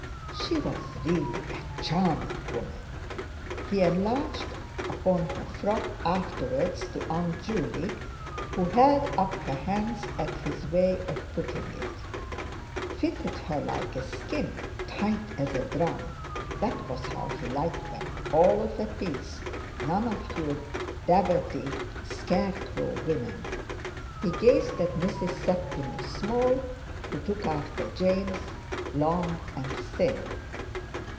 She was really—a charming woman! He enlarged upon her frock afterwards to Aunt Juley, who held up her hands at his way of putting it. Fitted her like a skin—tight as a drum; that was how he liked 'em, all of a piece, none of your daverdy, scarecrow women! He gazed at Mrs. Septimus Small, who took after James—long and thin.